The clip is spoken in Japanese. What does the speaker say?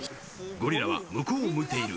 ゴリラは向こうを向いている。